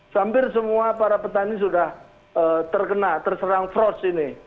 hampir semua para petani sudah terkena terserang frost ini